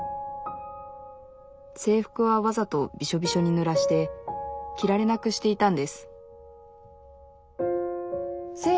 制服はわざとビショビショにぬらして着られなくしていたんです